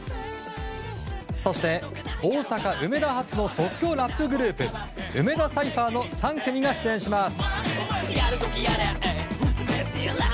そして、大阪・梅田発の即興ラップグループ梅田サイファーの３組が出演します。